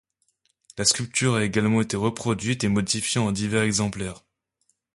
La sculpture a également été reproduite et modifiée en divers exemplaires.